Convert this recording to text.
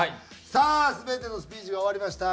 さあ全てのスピーチが終わりました。